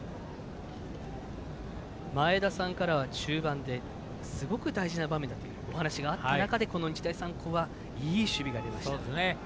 前田さんからは中盤がすごく大事な場面というお話があった中で日大三高はいい守備が出ました。